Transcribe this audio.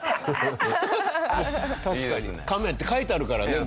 確かに「亀」って書いてあるからね